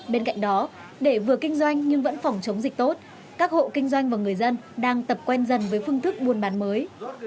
bên cạnh đó để vừa kinh doanh nhưng vẫn phòng chống dịch tốt các hộ kinh doanh và người dân đang tập quen dần với phương thức buôn bán mới